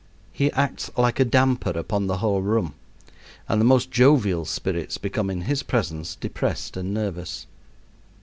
He acts like a damper upon the whole room, and the most jovial spirits become in his presence depressed and nervous.